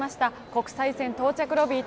国際線到着ロビー